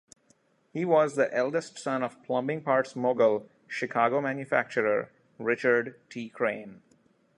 He was the eldest son of plumbing parts mogul, Chicago manufacturer, Richard T. Crane.